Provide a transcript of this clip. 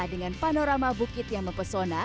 dengan panorama bukit yang mempesona